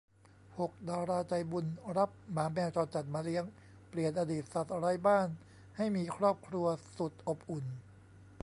หก ดาราใจบุญรับหมาแมวจรจัดมาเลี้ยง เปลี่ยนอดีตสัตว์ไร้บ้านให้มีครอบครัวสุดอบอุ่น